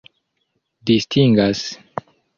distingas